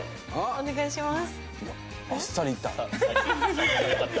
お願いします。